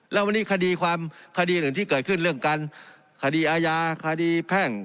แล้ววันนี้คดีความคดีอื่นที่เกิดขึ้นเรื่องการคดีอาญาคดีแพ่ง